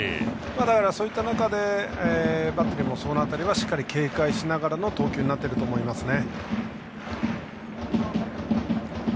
だから、そういった中でバッテリーもその辺りはしっかり警戒しながらの投球だと思いますね。